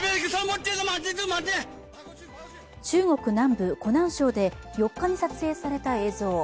中国南部・湖南省で４日に撮影された映像。